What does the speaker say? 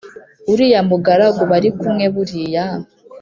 uriya mugaragu barikumwe buriya